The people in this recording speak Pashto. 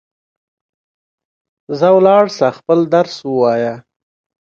ځه ولاړ سه ، خپل درس ووایه